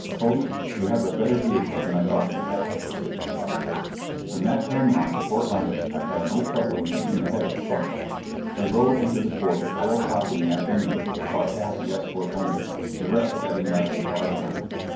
"Cody, you have a better vehicle than I thought you had," was his reply. From that time on to Fort Larned I had no trouble in keeping ahead of the party. We rode into the fort at four o'clock in the afternoon with about half the escort only, the rest having lagged far behind.